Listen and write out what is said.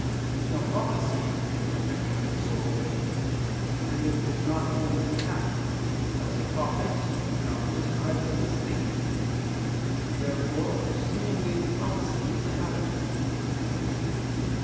Now prophecy is a perfection of the soul; and it is not always in act, else a prophet could not be described as asleep. Therefore seemingly prophecy is a habit.